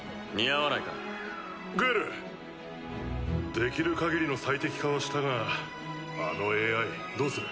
できるかぎりの最適化はしたがあのＡＩどうする？